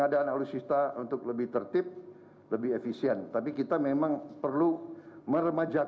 dan juga dari pemerintah negara selatan